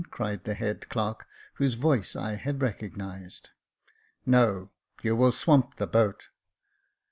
cried the head clerk, whose voice I had recognised. "No ; you will swamp the boat."